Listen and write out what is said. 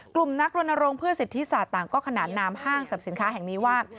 กลุ่มนักรณรงค์เพื่อสิทธิศาสตร์ต่างก็ขนานนามห้างสรรพสินค้าแห่งนี้ว่า